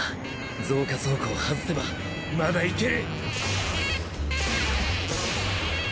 増加装甲を外せばまだいける。